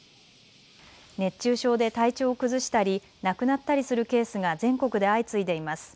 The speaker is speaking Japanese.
熱中症で体調を崩したり亡くなったりするケースが全国で相次いでいます。